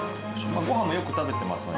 ご飯もよく食べていますので。